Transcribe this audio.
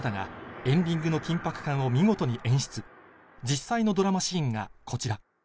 実際のドラマシーンがこちら